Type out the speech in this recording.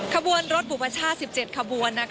ขบวนรถปุปัชฌา๑๗ขบวน